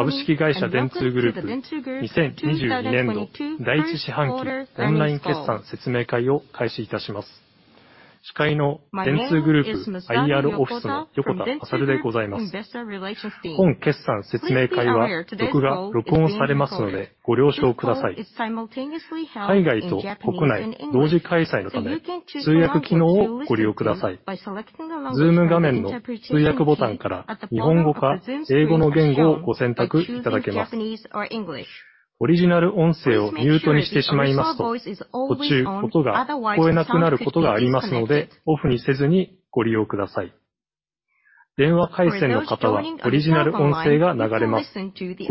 Welcome to the Dentsu Group 2022 first quarter earnings call. My name is Masaru Yokota from Dentsu Group Investor Relations Team. Please be aware today's call is being recorded. This call is simultaneously held in Japanese and English, so you can choose the language to listen to by selecting the language from the interpretation button at the bottom of the Zoom screen by choosing Japanese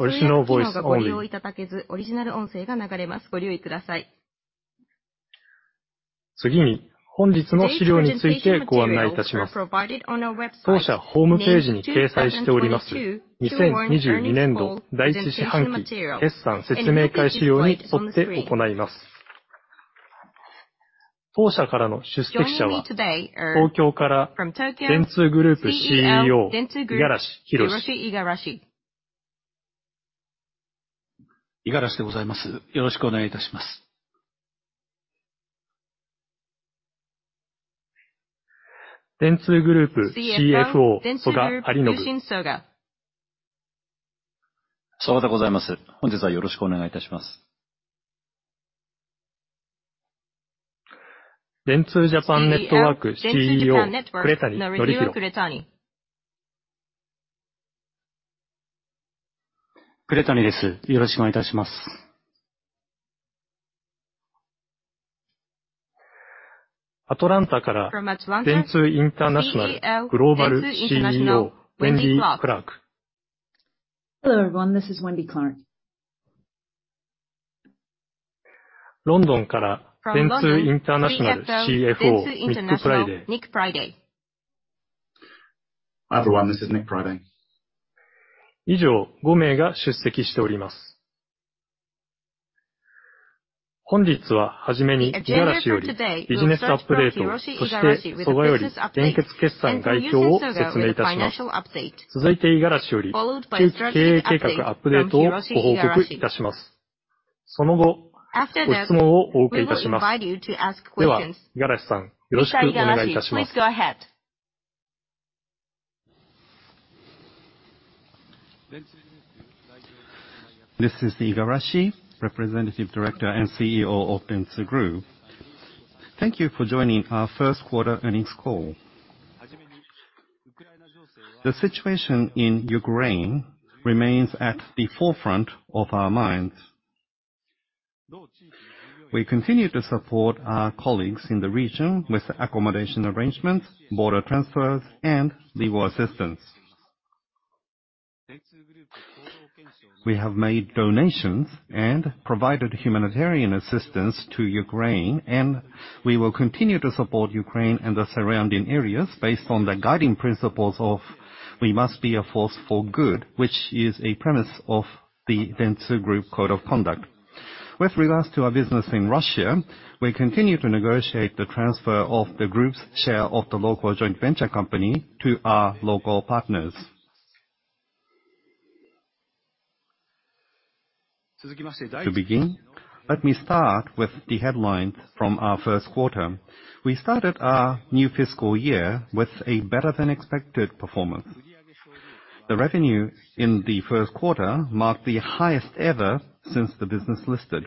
or English. Please make sure your original voice is always on, otherwise it cannot be disconnected. For those joining on the telephone line, you can listen to the original voice only. Today's presentation materials are provided on our website named 2022 Q1 Earnings Call Materials, and it will be displayed on the screen. Joining me today are, from Tokyo, CEO, Dentsu Group, Hiroshi Igarashi, CFO, Dentsu Group, Yushin Soga. Soga. CEO, Dentsu Japan Network, Norihiro Kuretani. Kuretani. From Atlanta, CEO, Dentsu International, Wendy Clark. Hello, everyone. This is Wendy Clark. From London, CFO, Dentsu International, Nick Priday. Hi, everyone. This is Nick Priday. This is Igarashi, Representative Director and CEO of Dentsu Group. Thank you for joining our first quarter earnings call. The situation in Ukraine remains at the forefront of our minds. We continue to support our colleagues in the region with accommodation arrangements, border transfers and legal assistance. We have made donations and provided humanitarian assistance to Ukraine, and we will continue to support Ukraine and the surrounding areas based on the guiding principles of We Must Be a Force for Good, which is a premise of the Dentsu Group code of conduct. With regards to our business in Russia, we continue to negotiate the transfer of the group's share of the local joint venture company to our local partners. To begin, let me start with the headlines from our first quarter. We started our new fiscal year with a better than expected performance. The revenue in the first quarter marked the highest ever since the business listed.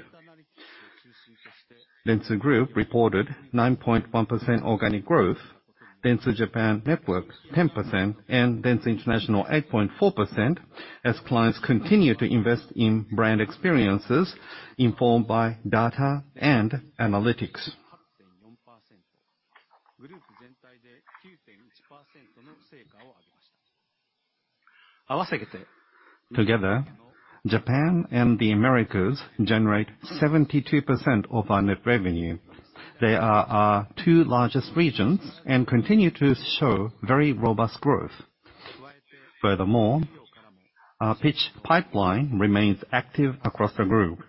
Dentsu Group reported 9.1% organic growth, Dentsu Japan Network 10% and Dentsu International 8.4% as clients continue to invest in brand experiences informed by data and analytics. Together, Japan and the Americas generate 72% of our net revenue. They are our two largest regions and continue to show very robust growth. Furthermore, our pitch pipeline remains active across the group.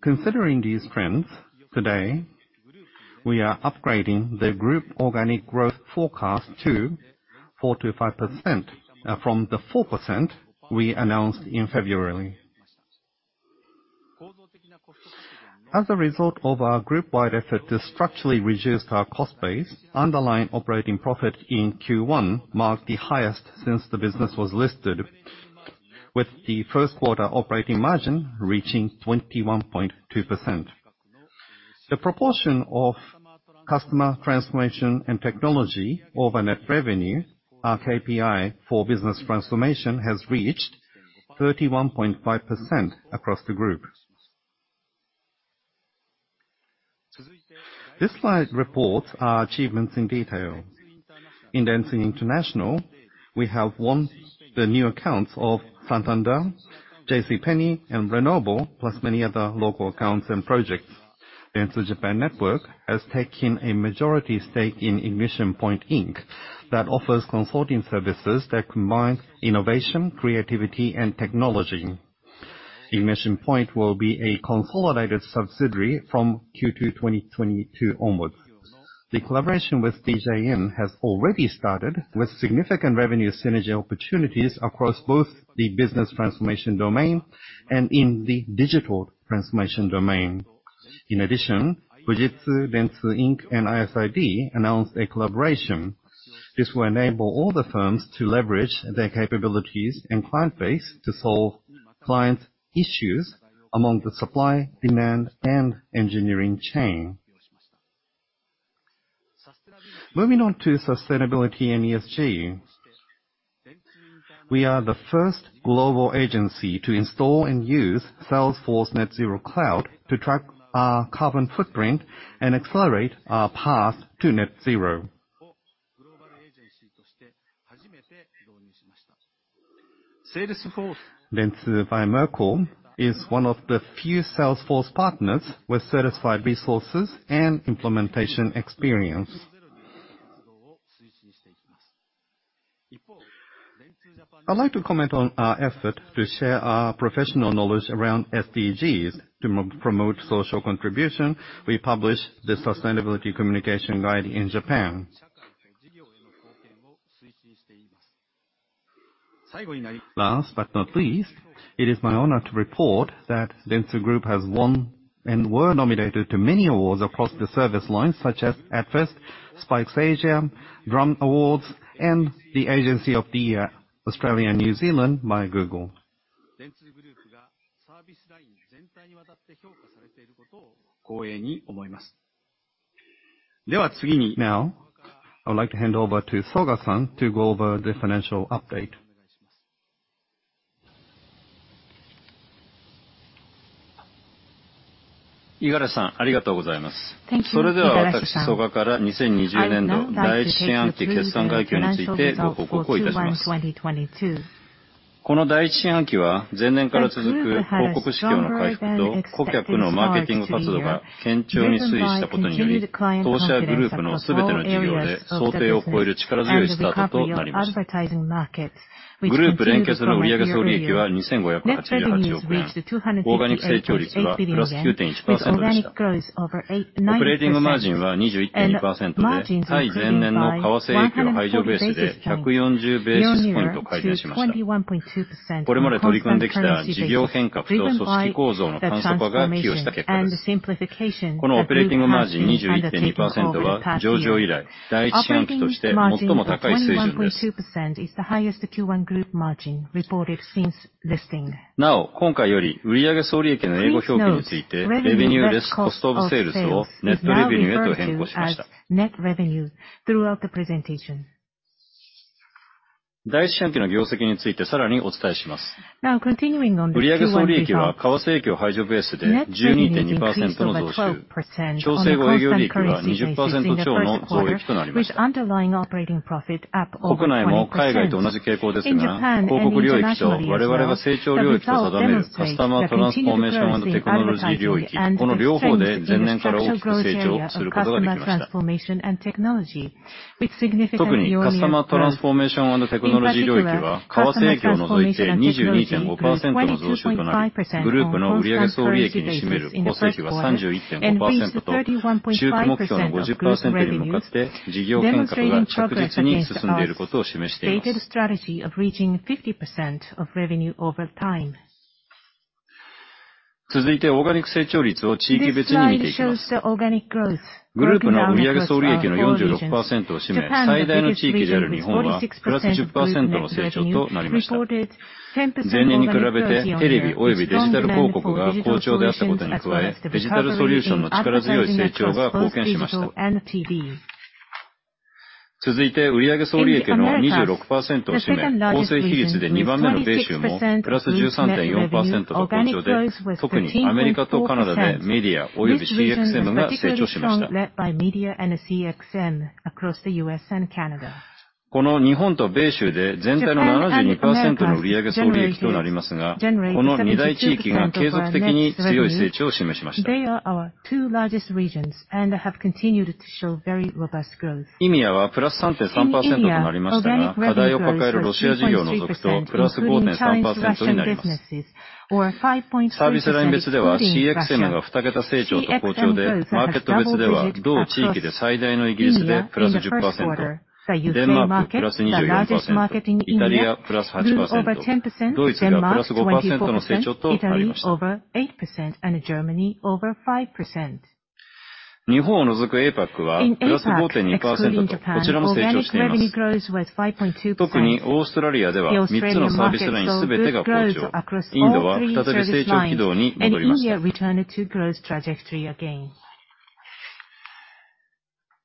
Considering these trends, today, we are upgrading the group organic growth forecast to 4%-5% from the 4% we announced in February. As a result of our group-wide effort to structurally reduce our cost base, underlying operating profit in Q1 marked the highest since the business was listed, with the first quarter operating margin reaching 21.2%. The proportion of customer transformation and technology over net revenue, our KPI for business transformation, has reached 31.5% across the group. This slide reports our achievements in detail. In Dentsu International, we have won the new accounts of Santander, JCPenney and Renault, plus many other local accounts and projects. Dentsu Japan Network has taken a majority stake in Ignition Point Inc. That offers consulting services that combine innovation, creativity and technology. Ignition Point will be a consolidated subsidiary from Q2 2022 onwards. The collaboration with DJN has already started with significant revenue synergy opportunities across both the business transformation domain and in the digital transformation domain. In addition, Fujitsu, Dentsu Inc. and ISID announced a collaboration. This will enable all the firms to leverage their capabilities and client base to solve clients' issues among the supply, demand and engineering chain. Moving on to sustainability and ESG. We are the first global agency to install and use Salesforce Net Zero Cloud to track our carbon footprint and accelerate our path to net zero. Salesforce Dentsu by Merkle is one of the few Salesforce partners with certified resources and implementation experience. I'd like to comment on our effort to share our professional knowledge around SDGs. To promote social contribution, we publish the Sustainability Communication Guide in Japan. Last but not least, it is my honor to report that Dentsu Group has won and were nominated to many awards across the service lines such as ADFEST, Spikes Asia, Drum Awards and the Agency of the Year Australia New Zealand by Google. Now, I would like to hand over to Soga-san to go over the financial update. Thank you, Igarashi-san. I'd now like to take you through the financial results for Q1 2022. Our group had a stronger than expected start to the year, driven by continued client confidence across all areas of the business and the recovery of advertising markets, which contributed to higher year-over-year. Net revenues reached JPY 258.8 billion, with organic growth over 8.9%. Margins improved by 140 basis points, year-on-year to 21.2% on constant currency basis, driven by the transformation and the simplification that group has been undertaking over the past year. Operating margin of 21.2% is the highest Q1 group margin reported since listing. Please note, revenue less cost of sales is now referred to as net revenue throughout the presentation. Now continuing on this Q1 result, net revenue increased over 12% on a constant currency basis in the first quarter, with underlying operating profit up over 20%. In Japan and internationally as well, the results demonstrate the continued growth in advertising and strength in the structural growth area of Customer Transformation & Technology, with significant year-on-year. In particular, Customer Transformation & Technology grew 22.5% on constant currency basis in the first quarter and reached 31.5% of group revenue, demonstrating progress against our stated strategy of reaching 50% of revenue over time. This slide shows the organic growth broken down across our four regions. Japan, the biggest region with 46% group net revenue, reported 10% organic growth year-on-year, with strong demand for digital solutions, as well as the recovery in advertising across both digital and TV. In Americas, the second-largest region with 26% group net revenue, organic growth was 13.4%. This region was particularly strong, led by media and CXM across the U.S. and Canada. Japan and Americas generate 72% of our net revenue. They are our two largest regions and have continued to show very robust growth. In EMEA, organic revenue growth was 3.3%, including China, Russian businesses, or 5.3% excluding Russia. CXM growth across EMEA in the first quarter. The U.S. market, the largest market in EMEA, grew over 10%, Denmark 24%, Italy over 8%, and Germany over 5%. In APAC, excluding Japan, organic revenue growth was 5.2%. The Australian market saw good growth across all three service lines, and India returned to growth trajectory again.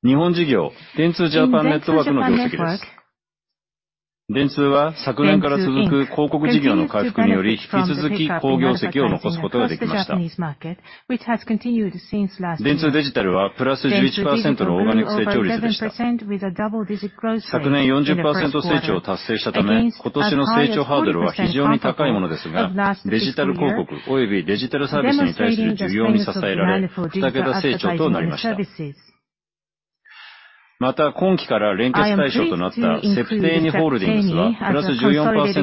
Dentsu Inc. Continues to benefit from the take-up in advertising across the Japanese market, which has continued since last year. Dentsu Digital grew over 11% with a double-digit growth rate in the first quarter against as high as 40% comparable at least this year, demonstrating the strength of the model due to advertising and services. I am pleased to include Septeni Holdings as a consolidated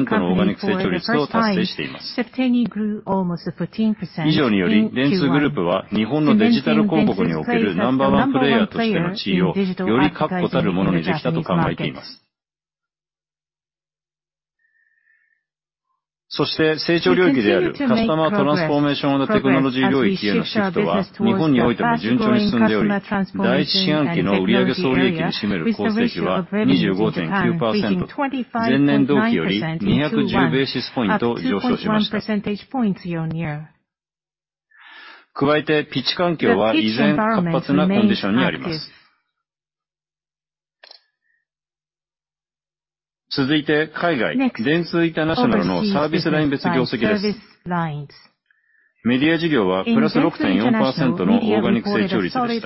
company for the first time. Septeni grew almost 14% in Q1. Dentsu believes it has created a number-one player in digital advertising in Japan and the market. We continue to make progress as we shift our business towards the fast-growing customer transformation and technology area, with the ratio of revenues in Japan increasing 25.6% in Q1, up 2.1 percentage points year-on-year. The pitch environment remains active. Next, overview of the key business service lines. In Dentsu International, media reported a solid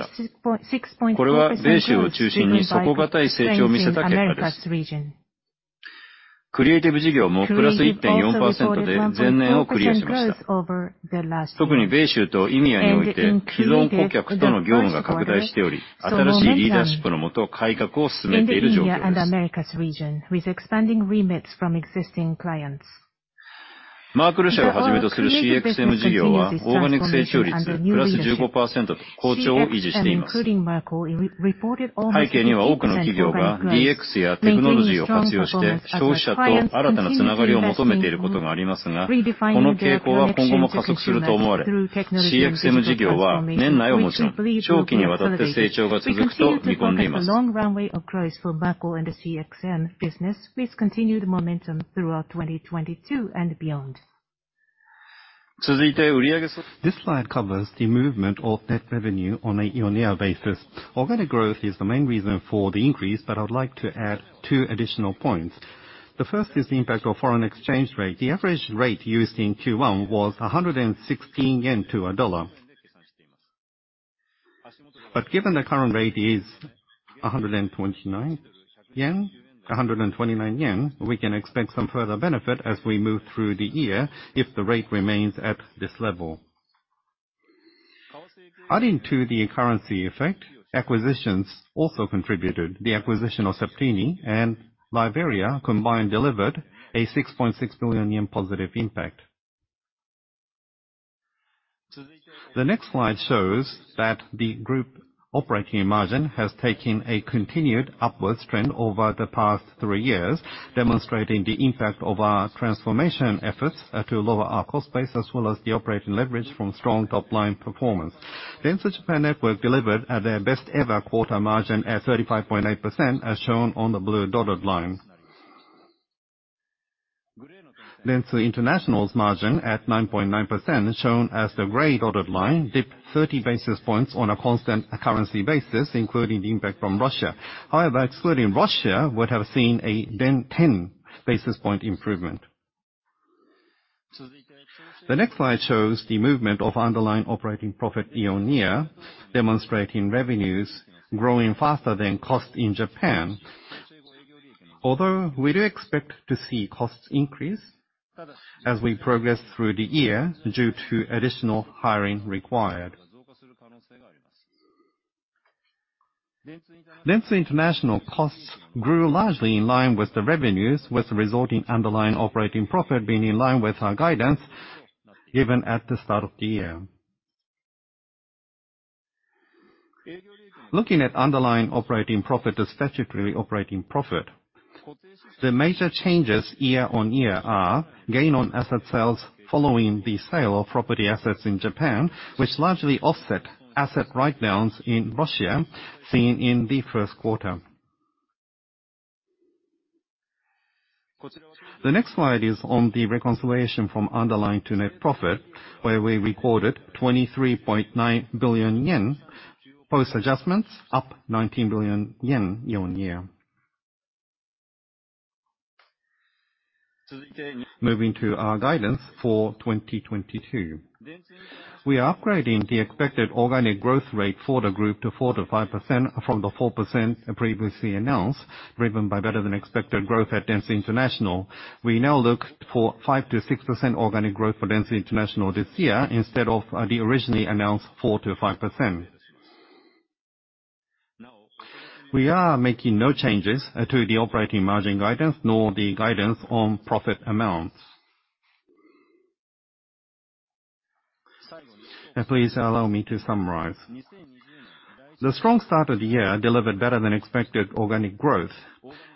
6.4% growth, driven by strength in Americas region. Creative also reported 0.4% growth over the last year, and in key markets, in India and Americas region, with expanding remits from existing clients. The whole creative business continues transformation under new leadership. CXM, including Merkle, reported almost 15% organic growth, maintaining a strong performance as our clients continue investing in redefining their connections with consumers through technology and digital transformation, which we believe will be accelerated. We continue to forecast a long runway of growth for Merkle and the CXM business with continued momentum throughout 2022 and beyond. This slide covers the movement of net revenue on a year-on-year basis. Organic growth is the main reason for the increase, but I would like to add two additional points. The first is the impact of foreign exchange rate. The average rate used in Q1 was 116 yen Given the current rate is 129 yen, we can expect some further benefit as we move through the year if the rate remains at this level. Adding to the currency effect, acquisitions also contributed. The acquisition of Septeni and LiveArea combined delivered a 6.6 billion yen positive impact. The next slide shows that the group operating margin has taken a continued upwards trend over the past three years, demonstrating the impact of our transformation efforts to lower our cost base, as well as the operating leverage from strong top-line performance. Dentsu Japan Network delivered their best ever quarter margin at 35.8%, as shown on the blue dotted line. Dentsu International's margin at 9.9%, shown as the gray dotted line, dipped 30 basis points on a constant currency basis, including the impact from Russia. However, excluding Russia would have seen a 10 basis point improvement. The next slide shows the movement of underlying operating profit year-on-year, demonstrating revenues growing faster than cost in Japan. Although we do expect to see costs increase as we progress through the year due to additional hiring required. Dentsu International costs grew largely in line with the revenues, with the resulting underlying operating profit being in line with our guidance given at the start of the year. Looking at underlying operating profit to statutory operating profit, the major changes year-on-year are gain on asset sales following the sale of property assets in Japan, which largely offset asset write-downs in Russia seen in the first quarter. The next slide is on the reconciliation from underlying to net profit, where we recorded 23.9 billion yen, post adjustments, up 19 billion yen year-on-year. Moving to our guidance for 2022. We are upgrading the expected organic growth rate for the group to 4%-5% from the 4% previously announced, driven by better than expected growth at Dentsu International. We now look for 5%-6% organic growth for Dentsu International this year instead of the originally announced 4%-5%. We are making no changes to the operating margin guidance nor the guidance on profit amounts. Please allow me to summarize. The strong start of the year delivered better than expected organic growth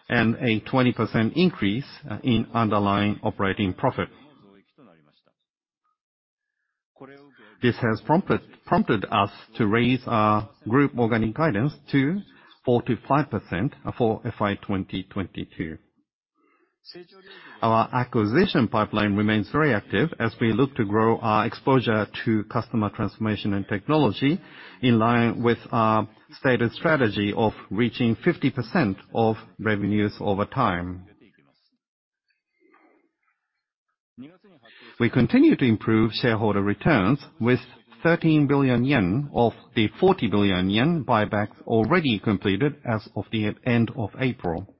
and a 20% increase in underlying operating profit. This has prompted us to raise our group organic guidance to 4%-5% for FY 2022. Our acquisition pipeline remains very active as we look to grow our exposure to customer transformation and technology in line with our stated strategy of reaching 50% of revenues over time. We continue to improve shareholder returns with 13 billion yen of the 40 billion yen buyback already completed as of the end of April.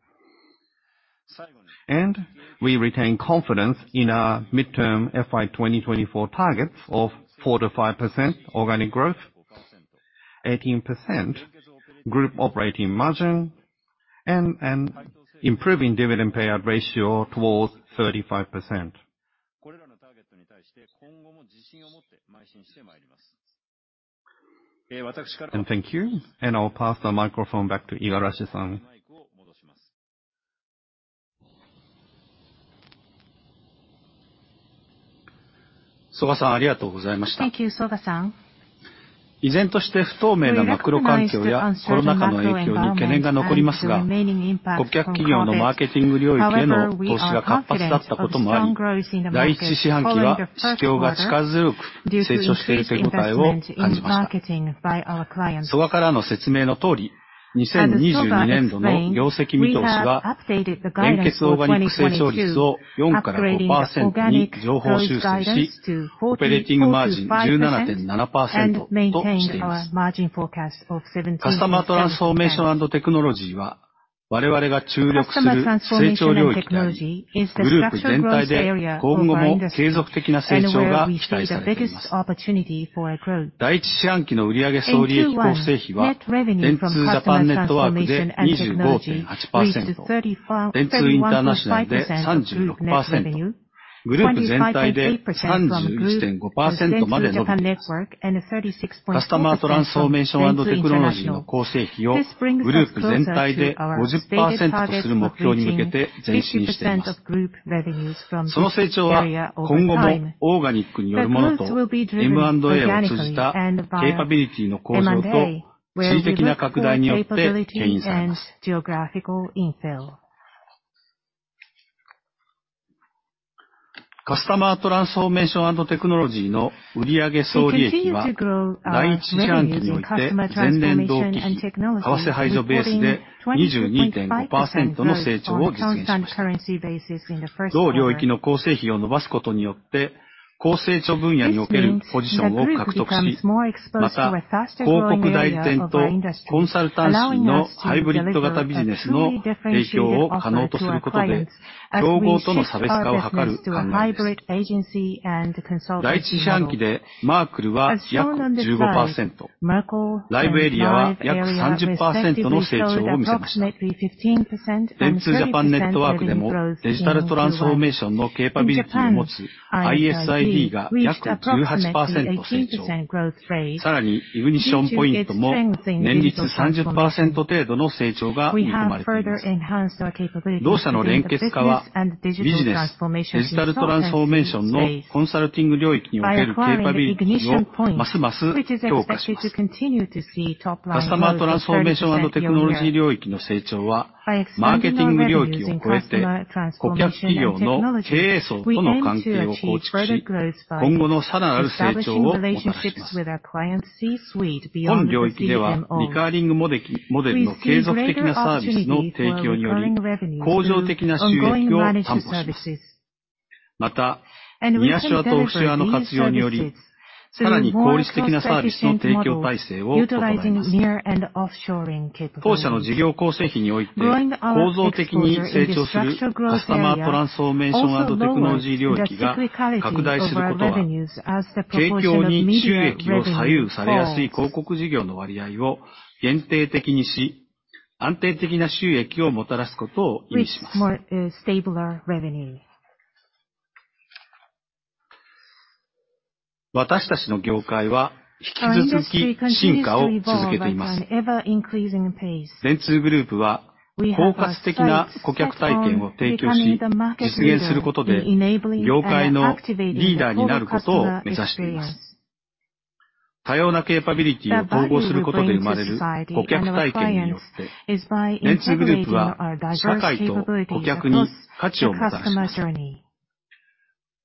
We retain confidence in our midterm FY 2024 targets of 4%-5% organic growth, 18% group operating margin and an improving dividend payout ratio towards 35%. Thank you. I'll pass the microphone back to Igarashi-san. Thank you, Soga-san. We recognize the uncertain macro environments and the remaining impact from COVID. However, we are confident of strong growth in the market following the first quarter due to increased investment in marketing by our clients. As Soga explained, we have updated the guidance for 2022, upgrading the organic growth guidance to 45% and maintain our margin forecast of 17%. Customer Transformation & Technology is the structural growth area of our industry, and where we see the biggest opportunity for growth. In Q1, net revenue from Customer Transformation & Technology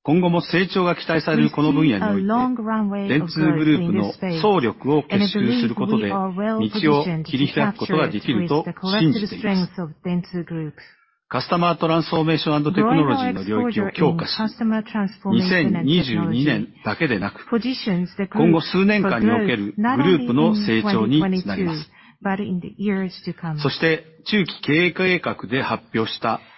reached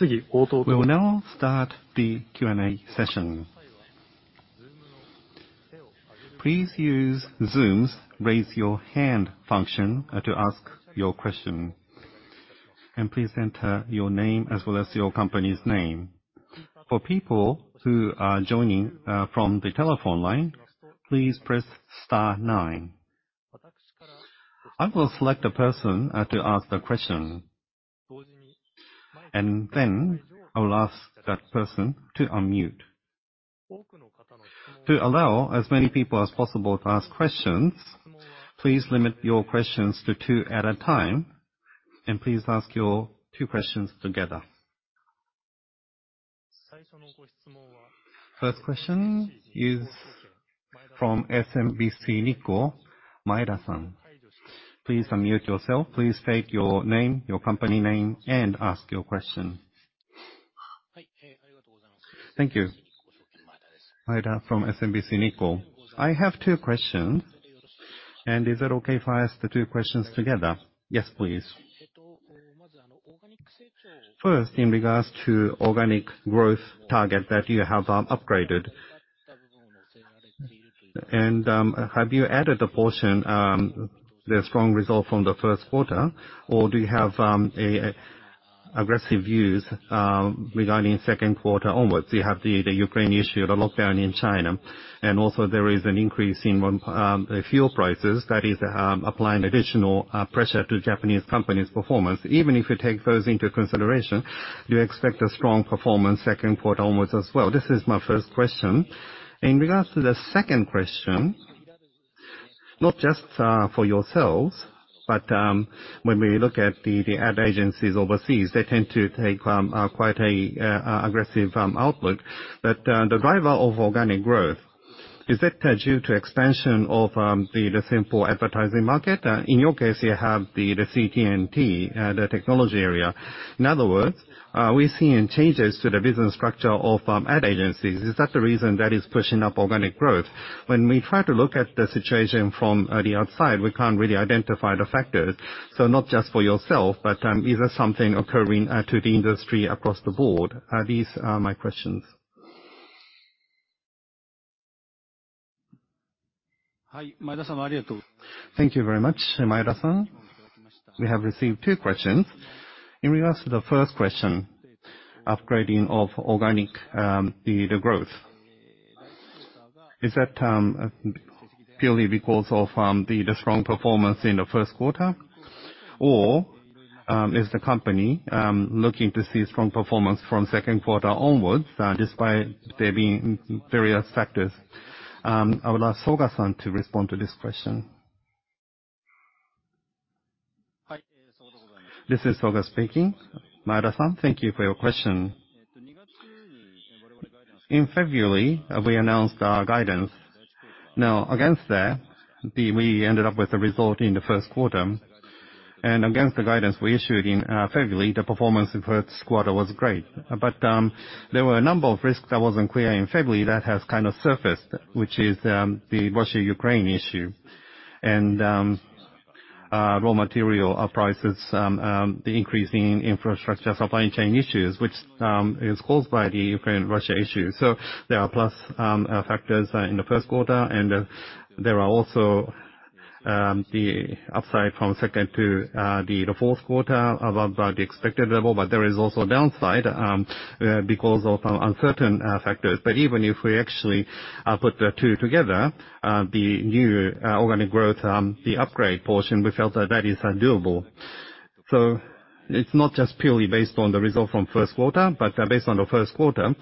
We will now start the Q&A session. Please use Zoom's Raise Your Hand function to ask your question, and please enter your name as well as your company's name. For people who are joining from the telephone line, please press star nine. I will select a person to ask the question. I will ask that person to unmute. To allow as many people as possible to ask questions, please limit your questions to two at a time, and please ask your two questions together. First question is from SMBC Nikko, Maeda-san. Please unmute yourself. Please state your name, your company name, and ask your question. Thank you. Maeda from SMBC Nikko. I have two questions, and is it okay if I ask the two questions together? Yes, please. First, in regards to organic growth target that you have upgraded. Have you added a portion the strong result from the first quarter, or do you have aggressive views regarding second quarter onwards? You have the Ukraine issue, the lockdown in China, and also there is an increase in fuel prices that is applying additional pressure to Japanese companies' performance. Even if you take those into consideration, do you expect a strong performance second quarter onwards as well? This is my first question. In regards to the second question, not just for yourselves, but when we look at the ad agencies overseas, they tend to take quite aggressive outlook. The driver of organic growth, is that due to expansion of the simple advertising market? In your case, you have the CT&T, the technology area. In other words, we're seeing changes to the business structure of ad agencies. Is that the reason that is pushing up organic growth? When we try to look at the situation from the outside, we can't really identify the factors. Not just for yourself, but is there something occurring to the industry across the board? These are my questions. Thank you very much, Maeda-san. We have received two questions. In regards to the first question, upgrading of organic growth, is that purely because of the strong performance in the first quarter, or is the company looking to see strong performance from second quarter onwards, despite there being various factors? I would ask Soga-san to respond to this question. This is Soga speaking. Maeda-san, thank you for your question. In February, we announced our guidance. Now, against that, we ended up with a result in the first quarter. Against the guidance we issued in February, the performance in first quarter was great. There were a number of risks that wasn't clear in February that has kind of surfaced, which is the Russia-Ukraine issue, and raw material prices, the increase in infrastructure supply chain issues, which is caused by the Ukraine-Russia issue. There are plus factors in the first quarter, and there are also the upside from second to the fourth quarter above the expected level, but there is also a downside because of uncertain factors. Even if we actually put the two together, the new organic growth, the upgrade portion, we felt that is doable. It's not just purely based on the result from first quarter, but based on the first quarter,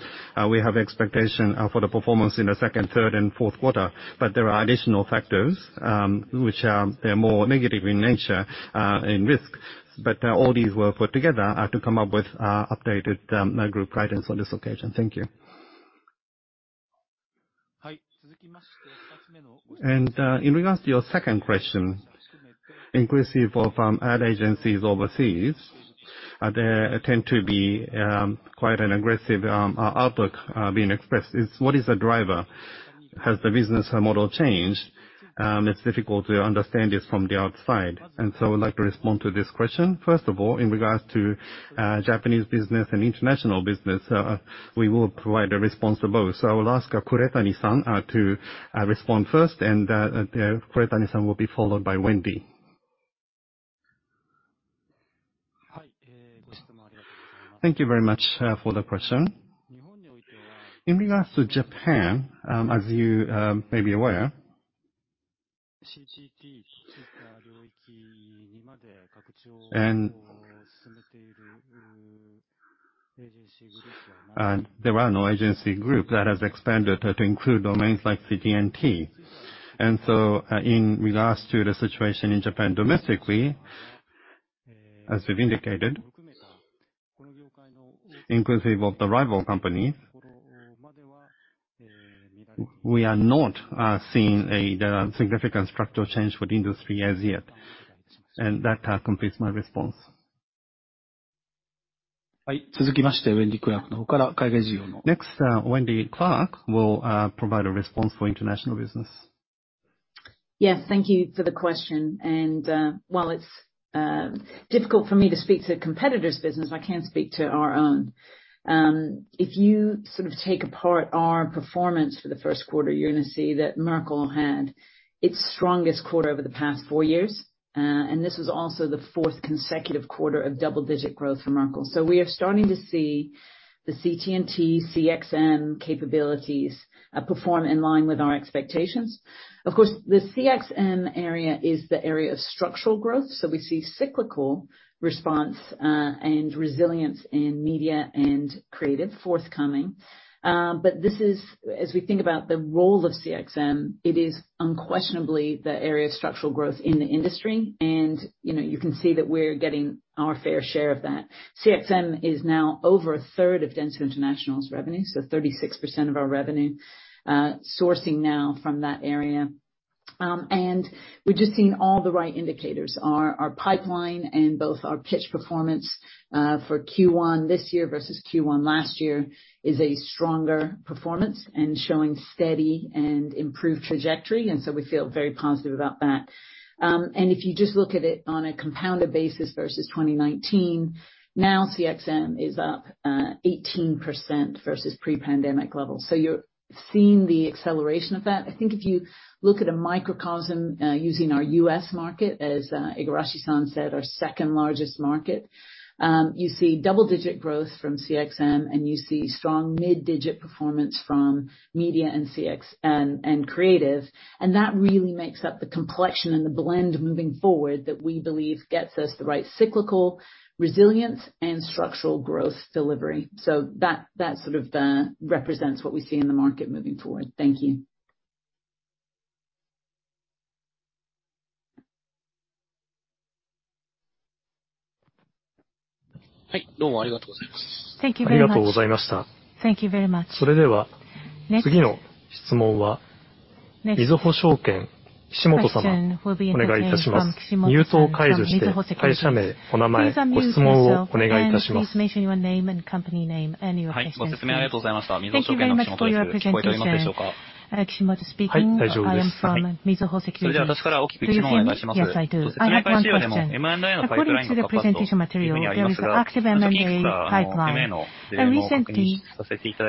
we have expectation for the performance in the second, third, and fourth quarter. There are additional factors, which they're more negative in nature, in risk. All these were put together to come up with updated group guidance on this occasion. Thank you. In regards to your second question, inclusive of ad agencies overseas, there tend to be quite an aggressive outlook being expressed. What is the driver? Has the business model changed? It's difficult to understand this from the outside. I would like to respond to this question. First of all, in regards to Japanese business and international business, we will provide a response to both. I will ask Kuretani-san to respond first and Kuretani-san will be followed by Wendy. Thank you very much for the question. In regards to Japan, as you may be aware, there are no agency group that has expanded to include domains like CT&T. In regards to the situation in Japan domestically, as we've indicated, inclusive of the rival companies, we are not seeing the significant structural change for the industry as yet. That completes my response. Next, Wendy Clark will provide a response for international business. Yes, thank you for the question. While it's difficult for me to speak to competitor's business, I can speak to our own. If you sort of take apart our performance for the first quarter, you're gonna see that Merkle had its strongest quarter over the past four years. This was also the fourth consecutive quarter of double-digit growth for Merkle. We are starting to see the CT&T, CXM capabilities. Perform in line with our expectations. Of course, the CXM area is the area of structural growth, so we see cyclical response and resilience in media and creative forthcoming. This is, as we think about the role of CXM, it is unquestionably the area of structural growth in the industry. You know, you can see that we're getting our fair share of that. CXM is now over a third of Dentsu International's revenue, so 36% of our revenue sourcing now from that area. We're just seeing all the right indicators. Our pipeline and both our pitch performance for Q1 this year versus Q1 last year is a stronger performance and showing steady and improved trajectory, so we feel very positive about that. If you just look at it on a compounded basis versus 2019, now CXM is up 18% versus pre-pandemic levels. You're seeing the acceleration of that. I think if you look at a microcosm using our U.S. market, as Igarashi-san said, our second largest market, you see double-digit growth from CXM and you see strong mid-digit performance from media and CX and creative. That really makes up the complexion and the blend moving forward that we believe gets us the right cyclical resilience and structural growth delivery. That sort of represents what we see in the market moving forward. Thank you. Thank you very much. Thank you very much. Next question will be entertainment from Kishimoto-san, Mizuho Securities. Please unmute yourself and please mention your name and company name and your questions. Thank you very much for your presentation. I am from Mizuho Securities. Do you hear me? Yes, I do. I have one question. According to the presentation material, there is an active M&A pipeline. Recently,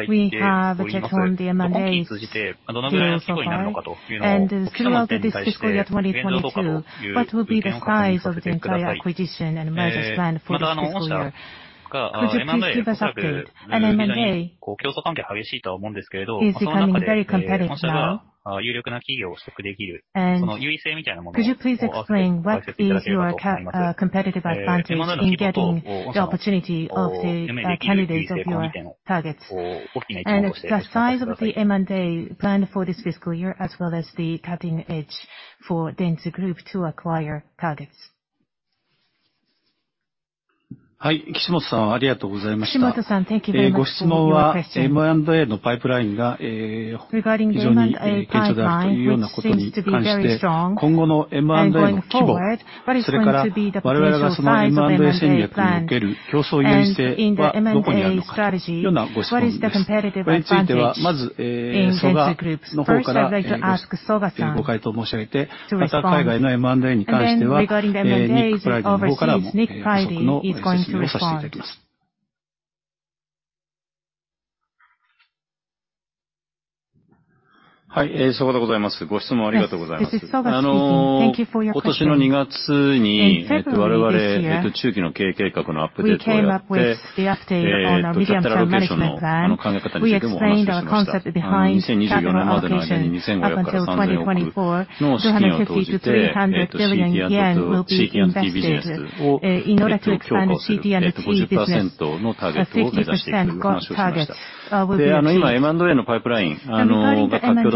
we have checked on the M&As deal flow. Similar to this fiscal year, 2022, what will be the size of the entire acquisition and mergers plan for this fiscal year? Could you please give us update on M&A? It is becoming very competitive now. Could you please explain what is your competitive advantage in getting the opportunity of the candidates of your targets. The size of the M&A plan for this fiscal year, as well as the cutting edge for Dentsu Group to acquire targets. Kishimoto-san, thank you very much for your question. Regarding the M&A pipeline, which seems to be very strong and going forward, what is going to be the potential size of the M&A plan? In the M&A strategy, what is the competitive advantage in Dentsu Group? First, I'd like to ask Soga-san to respond. Then regarding the M&As overseas, Nick Priday will also respond. Yes, this is Soga speaking. Thank you for your question.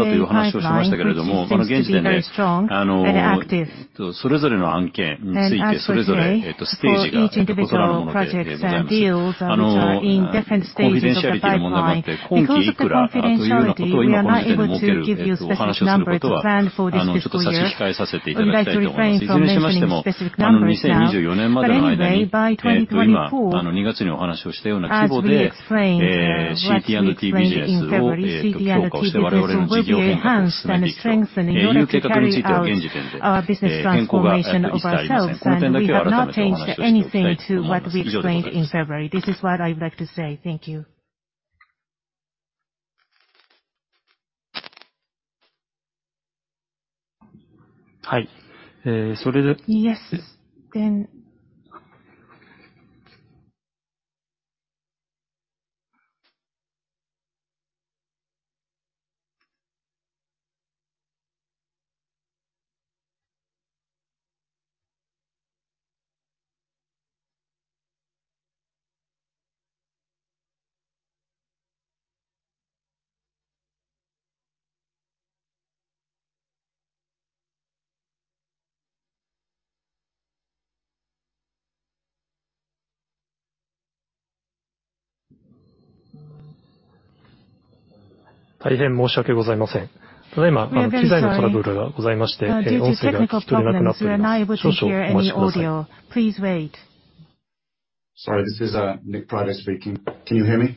In February of this year, we came up with the update on our medium-term management plan. We explained our concept behind that allocation. Up until 2024, JPY 350 billion-JPY 300 billion will be invested in order to expand CT&T business. 60% growth targets will be achieved. Regarding the M&A pipeline, which seems to be very strong and active. As for today, for each individual projects and deals, which are in different stages of the pipeline. Because of the confidentiality, we are not able to give you specific numbers planned for this fiscal year. We'd like to refrain from mentioning the specific numbers now. Anyway, by 2024, as we explained in February, the CT&T business will be enhanced and strengthened in order to carry out our business transformation of ourselves. We have not changed anything to what we explained in February. This is what I would like to say. Thank you. Yes. We are very sorry. Due to technical problems, Nick Dempsey wouldn't hear any audio. Please wait. Sorry, this is Nick Priday speaking. Can you hear me?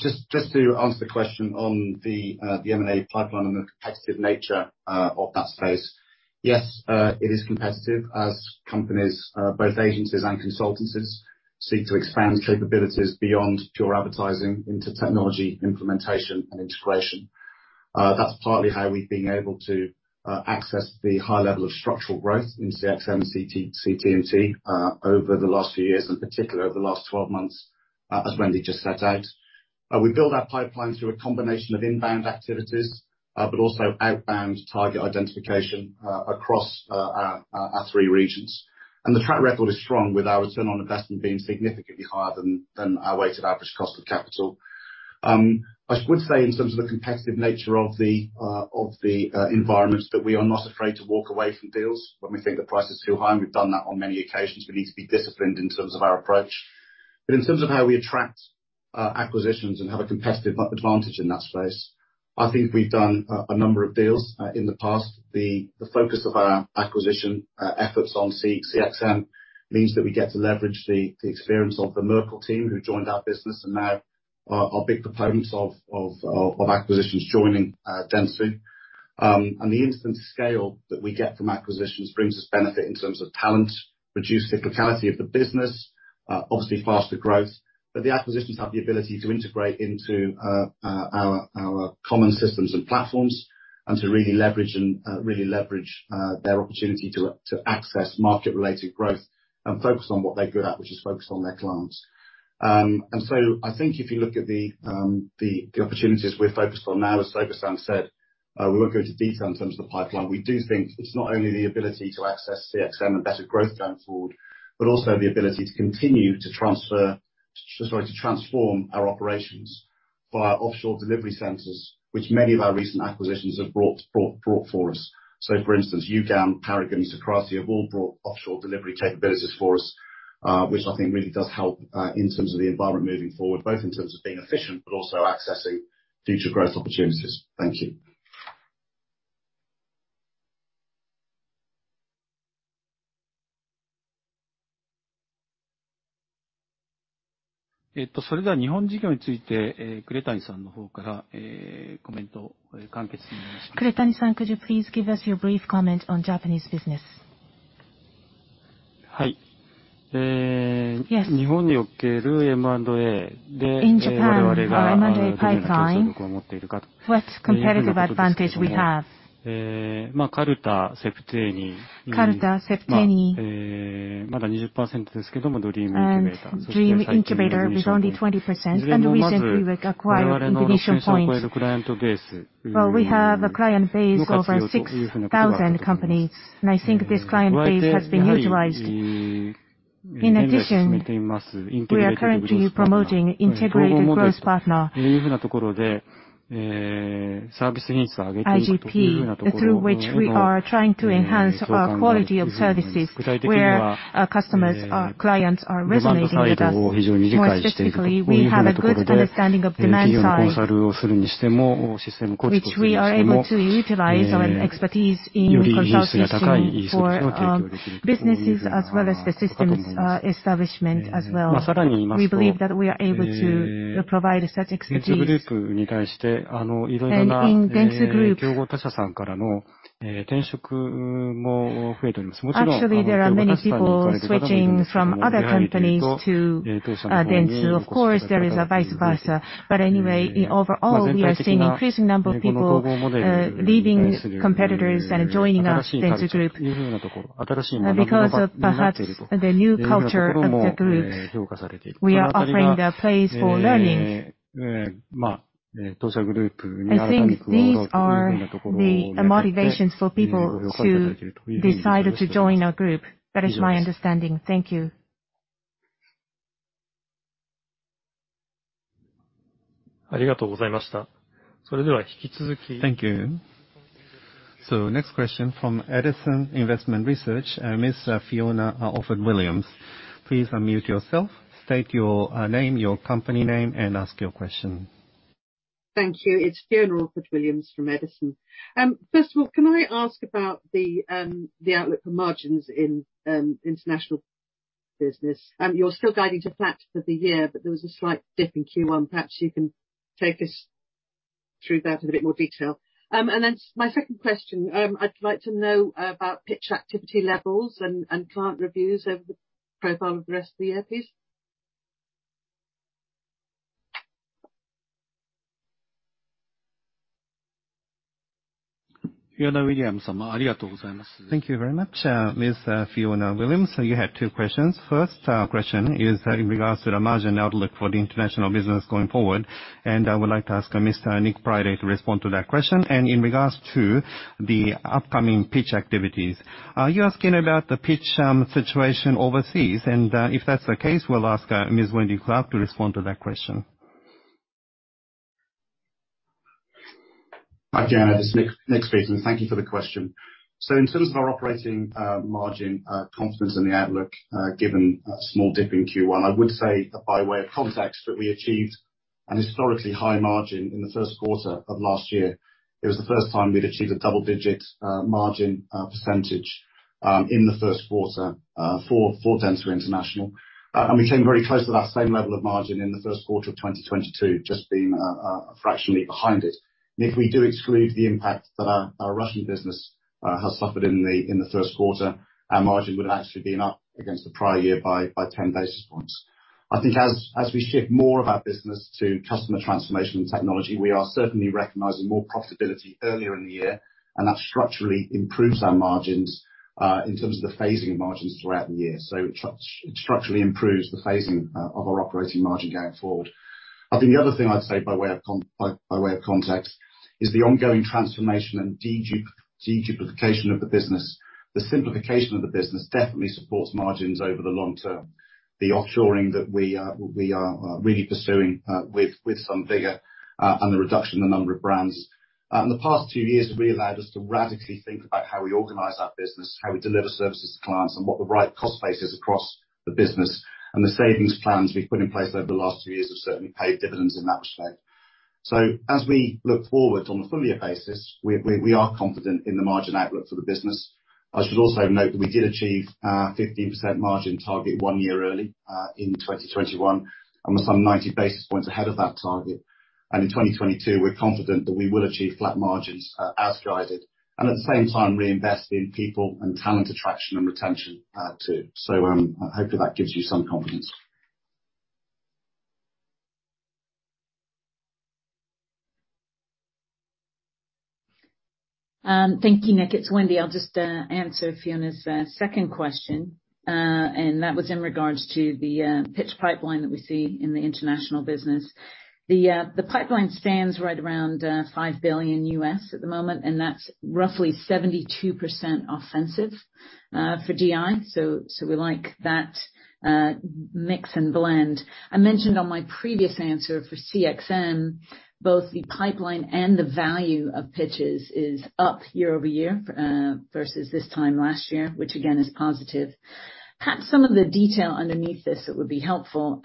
Just to answer the question on the M&A pipeline and the competitive nature of that space. Yes, it is competitive as companies both agencies and consultancies seek to expand capabilities beyond pure advertising into technology implementation and integration. That's partly how we've been able to access the high level of structural growth in CXM, CT&T, over the last few years, in particular over the last 12 months, as Wendy just set out. We build our pipeline through a combination of inbound activities, but also outbound target identification, across our three regions. The track record is strong with our return on investment being significantly higher than our weighted average cost of capital. I would say in terms of the competitive nature of the environments that we are not afraid to walk away from deals when we think the price is too high. We've done that on many occasions. We need to be disciplined in terms of our approach. In terms of how we attract acquisitions and have a competitive advantage in that space, I think we've done a number of deals in the past. The focus of our acquisition efforts on CXM means that we get to leverage the experience of the Merkle team who joined our business and now are big proponents of acquisitions joining Dentsu. The instant scale that we get from acquisitions brings us benefit in terms of talent, reduced criticality of the business, obviously faster growth. The acquisitions have the ability to integrate into our common systems and platforms and to really leverage their opportunity to access market-related growth and focus on what they're good at, which is focus on their clients. I think if you look at the opportunities we're focused on now, as Arinobu Soga said, we won't go into detail in terms of the pipeline. We do think it's not only the ability to access CXM and better growth going forward, but also the ability to continue to transform our operations via offshore delivery centers, which many of our recent acquisitions have brought for us. For instance, Ugam, Paragon, Sokrati have all brought offshore delivery capabilities for us, which I think really does help, in terms of the environment moving forward, both in terms of being efficient but also accessing future growth opportunities. Thank you. Kuretani-san, could you please give us your brief comment on Japanese business? Yes. In Japan, our M&A pipeline, what competitive advantage we have. Carta, Septeni. Dream Incubator with only 20%. Recently we acquired Ignition Point. Well, we have a client base of over 6,000 companies, and I think this client base has been utilized. In addition, we are currently promoting Integrated Growth Partner. IGP, through which we are trying to enhance our quality of services, where our customers, our clients are resonating with us. More specifically, we have a good understanding of demand side. Which we are able to utilize our expertise in consulting for, businesses as well as the systems, establishment as well. We believe that we are able to provide a set expertise. In Dentsu Group. Actually, there are many people switching from other companies to Dentsu. Of course, there is a vice versa. Anyway, overall, we are seeing increasing number of people leaving competitors and joining us, Dentsu Group. Because of perhaps the new culture of the group. We are offering a place for learning. I think these are the motivations for people to decide to join our group. That is my understanding. Thank you. Thank you. Next question from Edison Investment Research, Ms. Fiona Orford-Williams. Please unmute yourself, state your name, your company name, and ask your question. Thank you. It's Fiona Orford-Williams from Edison. First of all, can I ask about the outlook for margins in international business? You're still guiding to flat for the year, but there was a slight dip in Q1. Perhaps you can take us through that in a bit more detail. My second question, I'd like to know about pitch activity levels and client reviews over the profile of the rest of the year, please. Thank you very much, Ms. Fiona Orford-Williams. You had two questions. First, question is in regards to the margin outlook for the international business going forward, and I would like to ask, Mr. Nick Priday to respond to that question. In regards to the upcoming pitch activities, are you asking about the pitch, situation overseas? If that's the case, we'll ask, Ms. Wendy Clark to respond to that question. Hi, Fiona. It's Nick Priday. Thank you for the question. In terms of our operating margin confidence in the outlook, given a small dip in Q1, I would say that by way of context, that we achieved a historically high margin in the first quarter of last year. It was the first time we'd achieved a double digit margin percentage in the first quarter for Dentsu International. We came very close to that same level of margin in the first quarter of 2022, just being fractionally behind it. If we do exclude the impact that our Russian business has suffered in the first quarter, our margin would have actually been up against the prior year by 10 basis points. I think as we shift more of our business to Customer Transformation & Technology, we are certainly recognizing more profitability earlier in the year, and that structurally improves our margins in terms of the phasing of margins throughout the year. It structurally improves the phasing of our operating margin going forward. I think the other thing I'd say by way of context is the ongoing transformation and deduplication of the business. The simplification of the business definitely supports margins over the long term. The offshoring that we are really pursuing with some vigor, and the reduction in the number of brands in the past two years have really allowed us to radically think about how we organize our business, how we deliver services to clients, and what the right cost base is across the business. The savings plans we've put in place over the last two years have certainly paid dividends in that respect. As we look forward on a full year basis, we are confident in the margin outlook for the business. I should also note that we did achieve our 15% margin target one year early in 2021, and we're some 90 basis points ahead of that target. In 2022, we're confident that we will achieve flat margins as guided, and at the same time reinvest in people and talent attraction and retention too. Hopefully that gives you some confidence. Thank you, Nick. It's Wendy. I'll just answer Fiona's second question, and that was in regards to the pitch pipeline that we see in the international business. The pipeline stands right around $5 billion at the moment, and that's roughly 72% offensive for DI. We like that mix and blend. I mentioned on my previous answer for CXM, both the pipeline and the value of pitches is up year-over-year versus this time last year, which again is positive. Perhaps some of the detail underneath this that would be helpful.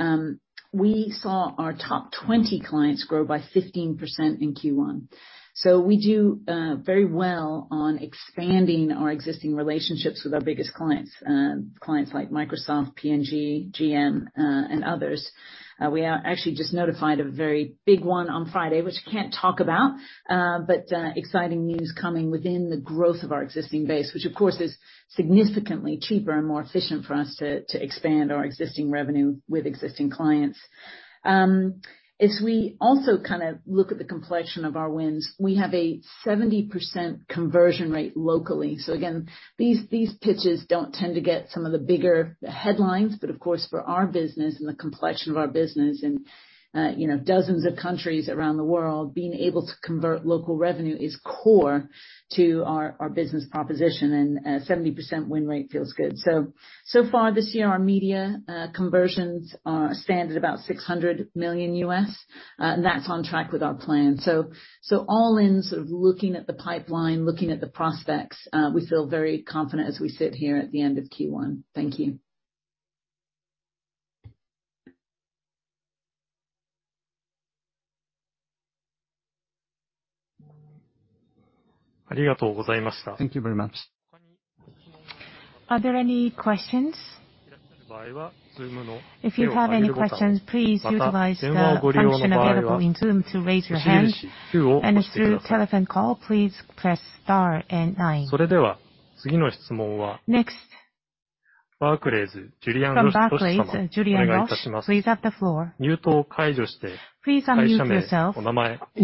We saw our top 20 clients grow by 15% in Q1. We do very well on expanding our existing relationships with our biggest clients like Microsoft, P&G, GM, and others. We are actually just notified a very big one on Friday, which I can't talk about, but exciting news coming within the growth of our existing base, which of course is significantly cheaper and more efficient for us to expand our existing revenue with existing clients. As we also kind of look at the complexion of our wins, we have a 70% conversion rate locally. Again, these pitches don't tend to get some of the bigger headlines, but of course, for our business and the complexion of our business and you know, dozens of countries around the world, being able to convert local revenue is core to our business proposition. A 70% win rate feels good. So far this year, our media conversions stand at about $600 million, and that's on track with our plan. All in sort of looking at the pipeline, looking at the prospects, we feel very confident as we sit here at the end of Q1. Thank you. Thank you very much. Are there any questions? If you have any questions, please utilize the function available in Zoom to raise your hand. If through telephone call, please press star and nine. Next, from Barclays, Julien Roch, please have the floor. Please unmute yourself.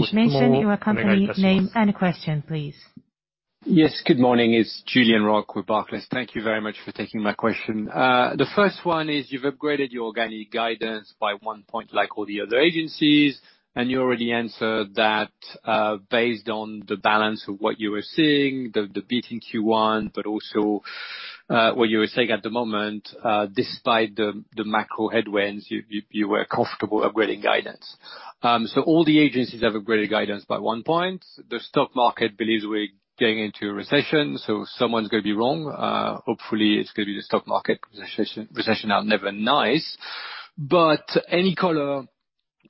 State your company name and question, please. Yes. Good morning. It's Julien Roch with Barclays. Thank you very much for taking my question. The first one is you've upgraded your organic guidance by one point like all the other agencies, and you already answered that, based on the balance of what you were seeing, the beat in Q1, but also, what you were seeing at the moment, despite the macro headwinds, you were comfortable upgrading guidance. All the agencies have upgraded guidance by one point. The stock market believes we're going into a recession, so someone's gonna be wrong. Hopefully, it's gonna be the stock market. Recession is never nice. Any color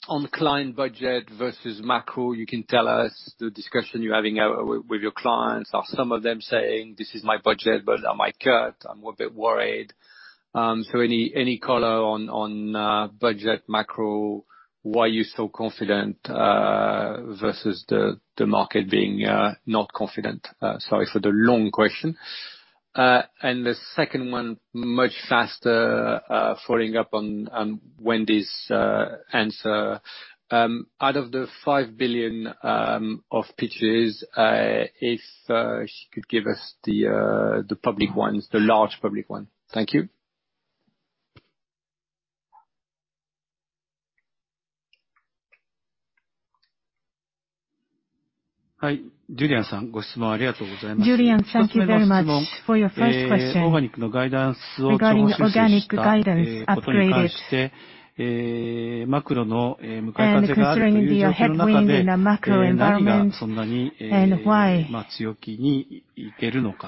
on client budget versus macro you can tell us the discussion you're having with your clients. Are some of them saying, "This is my budget, but I might cut. I'm a bit worried. So any color on budget macro, why are you so confident versus the market being not confident? Sorry for the long question. The second one, much faster, following up on Wendy's answer. Out of the $5 billion of pitches, if she could give us the public ones, the large public one. Thank you. Julian, thank you very much for your first question regarding organic guidance upgraded. Considering the headwind in the macro environment, and why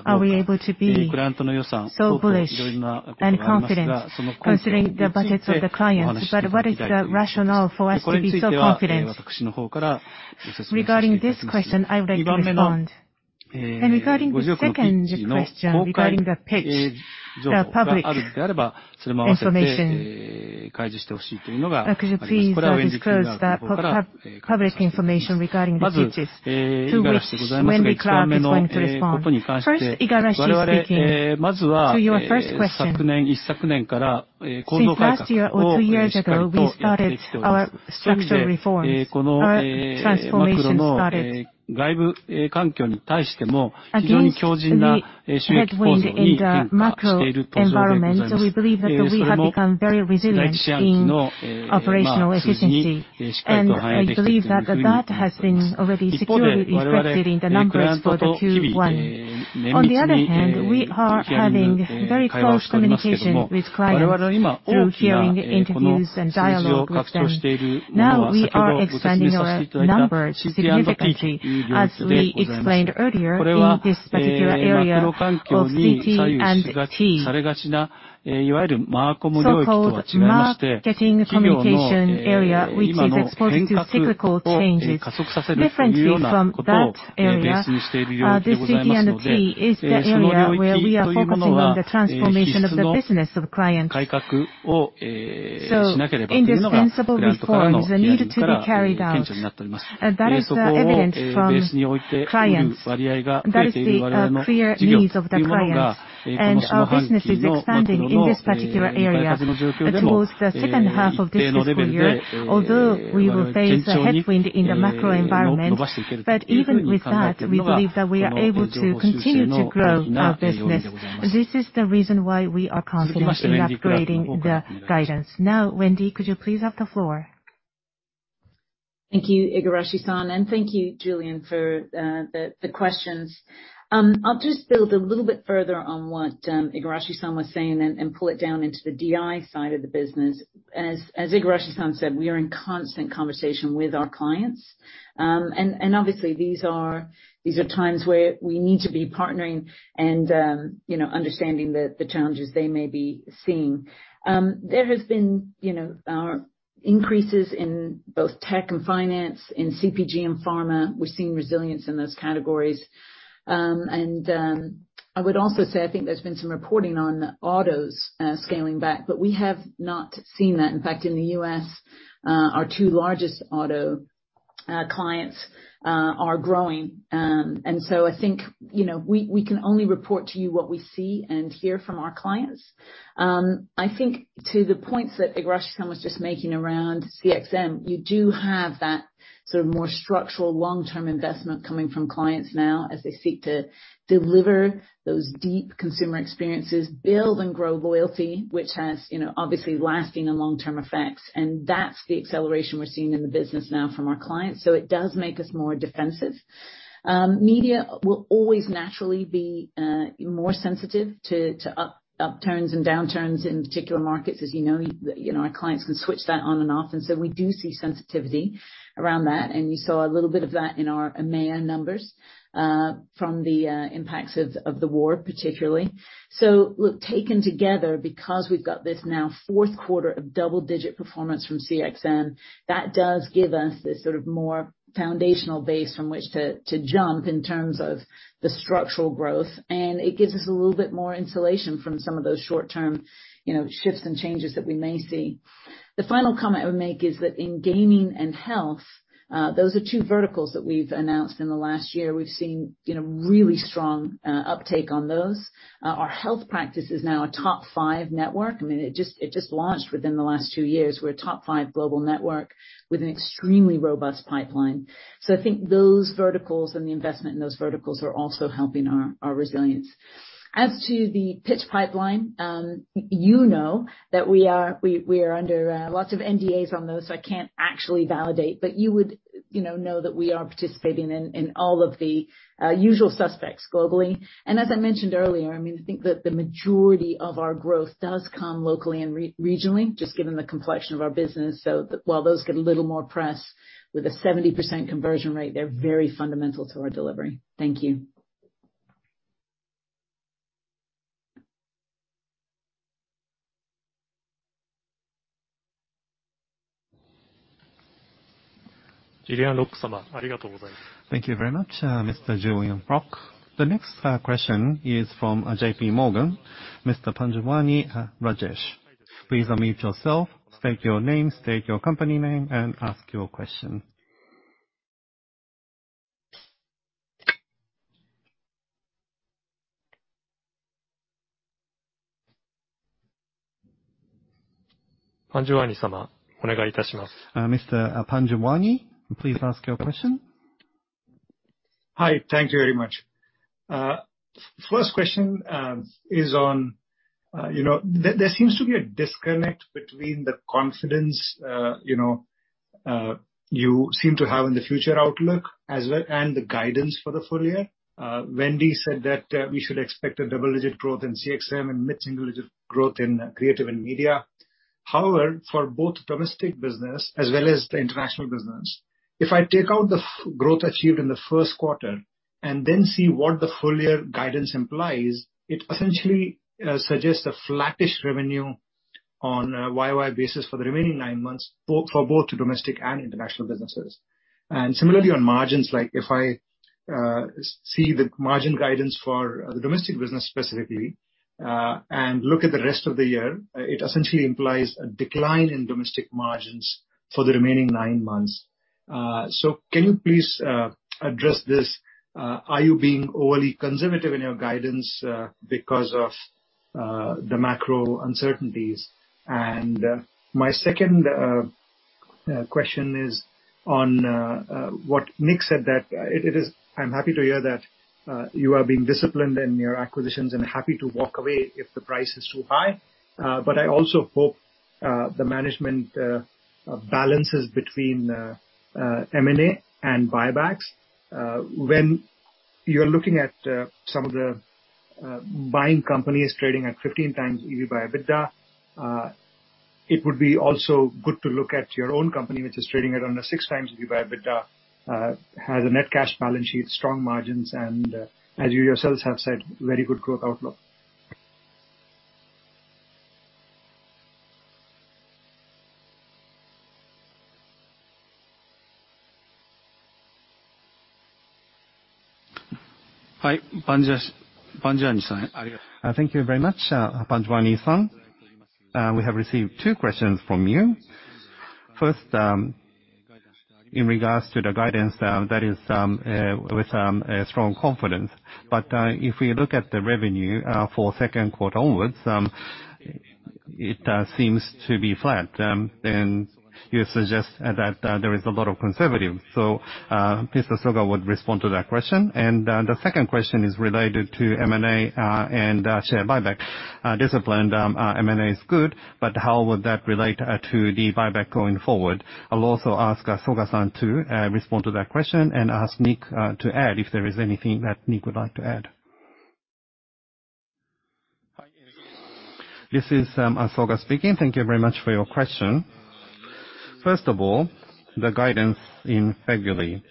are we able to be so bullish and confident considering the budgets of the clients, but what is the rationale for us to be so confident? Regarding this question, I'm ready to respond. Regarding the second question regarding the pitch, the public information. Could you please disclose the public information regarding the pitches to which Wendy Clark is going to respond? First, Igarashi speaking. To your first question. Since last year or two years ago, we started our structural reforms. Our transformation started. Against the headwind in the macro environment, we believe that we have become very resilient in operational efficiency, and I believe that that has been already securely reflected in the numbers for the 21. On the other hand, we are having very close communication with clients through hearing interviews and dialogue with them. Now we are expanding our numbers significantly, as we explained earlier, in this particular area of CT&T. So-called marketing communication area, which is exposed to cyclical changes. Differently from that area, this CT&T is the area where we are focusing on the transformation of the business of the client. Indispensable reforms are needed to be carried out. That is evident from clients. That is the clear needs of the clients. Our business is expanding in this particular area towards the second half of this fiscal year. Although we will face a headwind in the macro environment, but even with that, we believe that we are able to continue to grow our business. This is the reason why we are confidently upgrading the guidance. Now, Wendy, could you please have the floor? Thank you, Igarashi-san, and thank you, Julien Roch, for the questions. I'll just build a little bit further on what Igarashi-san was saying and pull it down into the DI side of the business. As Igarashi-san said, we are in constant conversation with our clients. Obviously these are times where we need to be partnering and you know, understanding the challenges they may be seeing. There has been, you know, increases in both tech and finance, in CPG and pharma. We're seeing resilience in those categories. I would also say, I think there's been some reporting on autos scaling back, but we have not seen that. In fact, in the U.S., our two largest auto clients are growing. I think, you know, we can only report to you what we see and hear from our clients. I think to the points that Igarashi-san was just making around CXM, you do have that sort of more structural long-term investment coming from clients now as they seek to deliver those deep consumer experiences, build and grow loyalty, which has, you know, obviously lasting and long-term effects. That's the acceleration we're seeing in the business now from our clients, so it does make us more defensive. Media will always naturally be more sensitive to upturns and downturns in particular markets. As you know, you know, our clients can switch that on and off. We do see sensitivity around that, and you saw a little bit of that in our EMEA numbers from the impacts of the war particularly. Look, taken together because we've got this now fourth quarter of double-digit performance from CXM, that does give us this sort of more foundational base from which to jump in terms of the structural growth, and it gives us a little bit more insulation from some of those short term, you know, shifts and changes that we may see. The final comment I would make is that in gaming and health, those are two verticals that we've announced in the last year. We've seen, you know, really strong uptake on those. Our health practice is now a top five network. I mean, it just launched within the last two years. We're a top five global network with an extremely robust pipeline. I think those verticals and the investment in those verticals are also helping our resilience. As to the pitch pipeline, you know that we are under lots of NDAs on those, so I can't actually validate. You would, you know that we are participating in all of the usual suspects globally. As I mentioned earlier, I mean, I think that the majority of our growth does come locally and re-regionally, just given the complexion of our business. While those get a little more press with a 70% conversion rate, they're very fundamental to our delivery. Thank you. Thank you very much, Mr. Julien Roch. The next question is from JP Morgan, Mr. Panjwani, Rajesh. Please unmute yourself, state your name, state your company name, and ask your question. Mr. Panjwani, please ask your question. Hi. Thank you very much. First question is on, you know, there seems to be a disconnect between the confidence, you know, you seem to have in the future outlook as well, and the guidance for the full year. Wendy said that we should expect double-digit growth in CXM and mid-single digit growth in Creative and Media. However, for both domestic business as well as the international business, if I take out the growth achieved in the first quarter and then see what the full year guidance implies, it essentially suggests a flattish revenue on a YY basis for the remaining nine months, both for domestic and international businesses. Similarly, on margins, like if I see the margin guidance for the domestic business specifically, and look at the rest of the year, it essentially implies a decline in domestic margins for the remaining nine months. Can you please address this? Are you being overly conservative in your guidance because of the macro uncertainties? My second question is on what Nick said. I'm happy to hear that you are being disciplined in your acquisitions and happy to walk away if the price is too high. I also hope the management balances between M&A and buybacks. When you're looking at some of the buying companies trading at 15x EBITDA, it would be also good to look at your own company, which is trading at under 6x EBITDA, has a net cash balance sheet, strong margins, and as you yourselves have said, very good growth outlook? Thank you very much, Panjwani-san. We have received two questions from you. First, in regards to the guidance, that is, with a strong confidence. If we look at the revenue for second quarter onwards, it seems to be flat. You suggest that there is a lot of conservatism. Mr. Soga would respond to that question. The second question is related to M&A and share buyback. Disciplined M&A is good, but how would that relate to the buyback going forward? I'll also ask Soga-san to respond to that question and ask Nick to add if there is anything that Nick would like to add. This is Soga speaking. Thank you very much for your question. First of all, the guidance in February,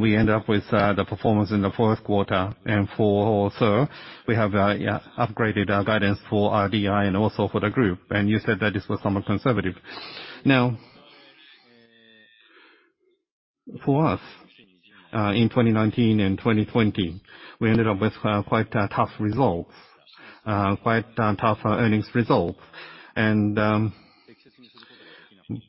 we ended up with the performance in the fourth quarter. We also upgraded our guidance for DI and also for the group. You said that this was somewhat conservative. Now, for us, in 2019 and 2020, we ended up with quite a tough earnings result.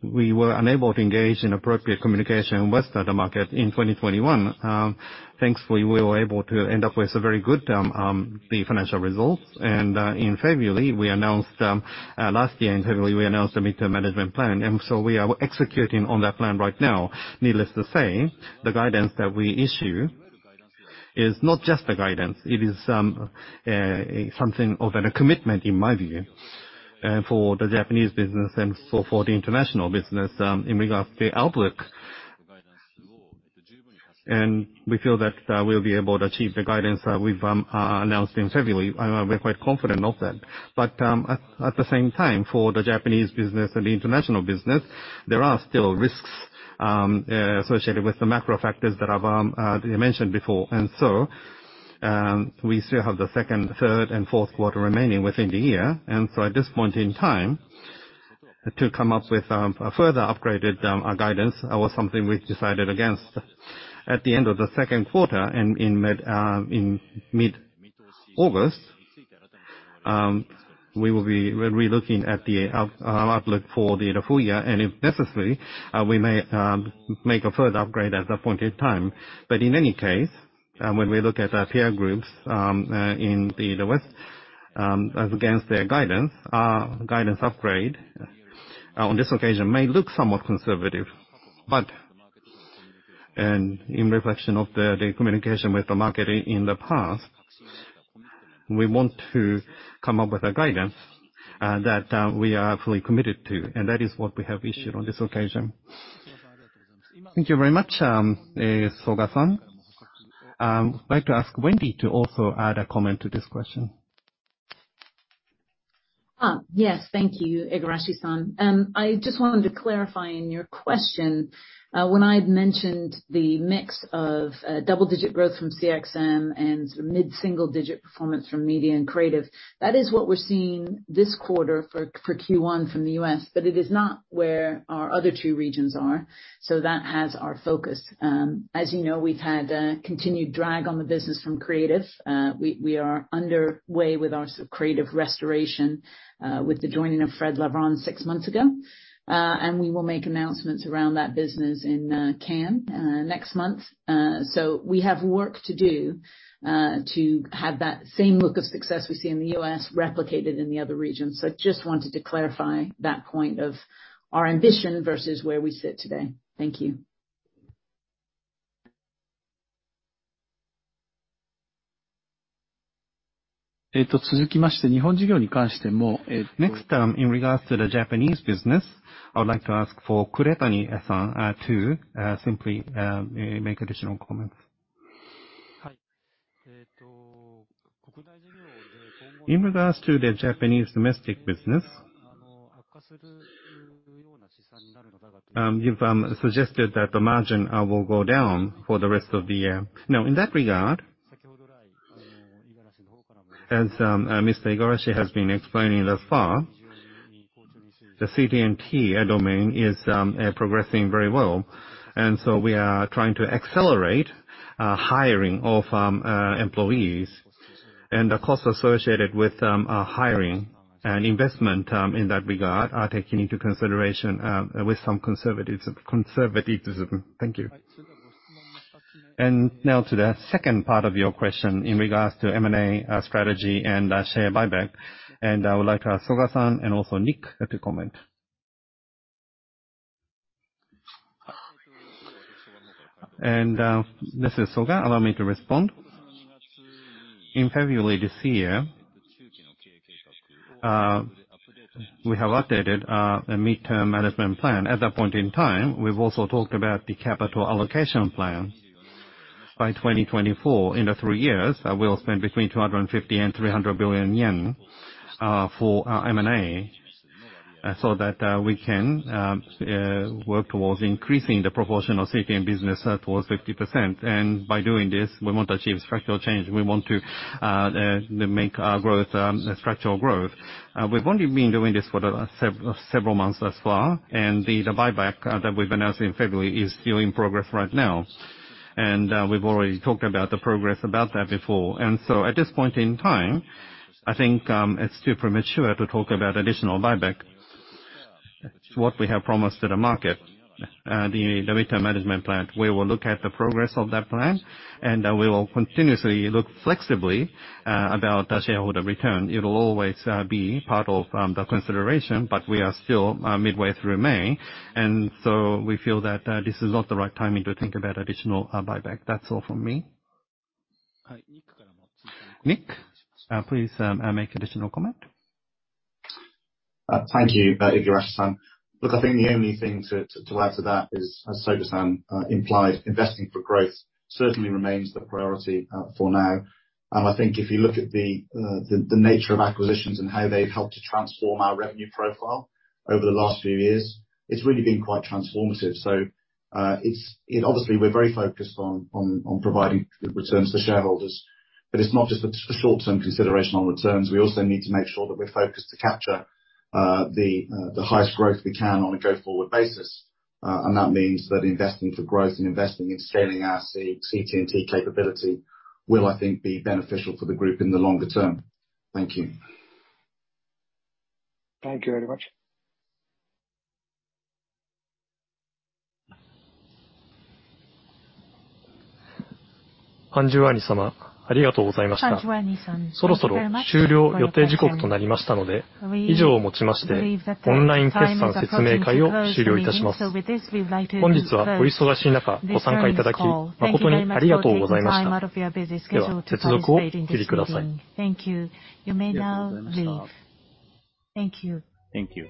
We were unable to engage in appropriate communication with the market in 2021. Thankfully, we were able to end up with a very good term, the financial results. In February last year, we announced the medium-term management plan, so we are executing on that plan right now. Needless to say, the guidance that we issue is not just a guidance, it is something of a commitment, in my view, for the Japanese business and so for the international business, in regards to the outlook. We feel that we'll be able to achieve the guidance that we've announced in February. We're quite confident of that. At the same time, for the Japanese business and the international business, there are still risks associated with the macro factors that I've mentioned before. We still have the second, third and fourth quarter remaining within the year. At this point in time, to come up with a further upgraded guidance was something we've decided against. At the end of the second quarter in mid-August, we will be relooking at the outlook for the full year. If necessary, we may make a further upgrade at the appointed time. In any case, when we look at our peer groups in the West, as against their guidance, our guidance upgrade on this occasion may look somewhat conservative. In reflection of the communication with the market in the past, we want to come up with a guidance that we are fully committed to, and that is what we have issued on this occasion. Thank you very much, Soga-san. I'd like to ask Wendy to also add a comment to this question. Yes. Thank you, Igarashi-san. I just wanted to clarify in your question, when I'd mentioned the mix of double-digit growth from CXM and mid-single digit performance from media and creative, that is what we're seeing this quarter for Q1 from the U.S., but it is not where our other two regions are. That has our focus. As you know, we've had continued drag on the business from creative. We are underway with our creative restoration with the joining of Fred Levron six months ago. We will make announcements around that business in Cannes next month. We have work to do to have that same look of success we see in the U.S. replicated in the other regions. Just wanted to clarify that point of our ambition versus where we sit today. Thank you. Next, in regards to the Japanese business, I would like to ask for Kuretani-san to simply make additional comments. In regards to the Japanese domestic business, you've suggested that the margin will go down for the rest of the year. Now, in that regard. As Mr. Igarashi has been explaining thus far, the CT&T domain is progressing very well. We are trying to accelerate hiring of employees. The costs associated with hiring and investment in that regard are taken into consideration with some conservatism. Thank you. Now to the second part of your question in regards to M&A strategy and share buyback. I would like to ask Soga-san and also Nick to comment. This is Soga. Allow me to respond. In February this year, we have updated a medium-term management plan. At that point in time, we've also talked about the capital allocation plan. By 2024, in the three years, we'll spend between 250 billion and 300 billion yen for M&A, so that we can work towards increasing the proportion of CT&T business towards 50%. By doing this, we want to achieve structural change. We want to make our growth structural growth. We've only been doing this for the several months thus far, and the buyback that we've announced in February is still in progress right now. We've already talked about the progress about that before. At this point in time, I think it's too premature to talk about additional buyback. What we have promised to the market, the midterm management plan, we will look at the progress of that plan, and we will continuously look flexibly about the shareholder return. It'll always be part of the consideration, but we are still midway through May, and so we feel that this is not the right timing to think about additional buyback. That's all from me. Nick, please make additional comment. Thank you, Igarashi-san. Look, I think the only thing to add to that is, as Soga-san implied, investing for growth certainly remains the priority for now. I think if you look at the nature of acquisitions and how they've helped to transform our revenue profile over the last few years, it's really been quite transformative. It's, and obviously, we're very focused on providing good returns to shareholders, but it's not just a short-term consideration on returns. We also need to make sure that we're focused to capture the highest growth we can on a go-forward basis. That means that investing for growth and investing in scaling our CT&T capability will, I think, be beneficial for the group in the longer term. Thank you. Thank you very much. Thank you very much. We believe that the time is approaching to close the meeting. With this, we'd like to close this earnings call. Thank you very much for taking time out of your busy schedule to participate in this meeting. Thank you. You may now leave. Thank you. Thank you.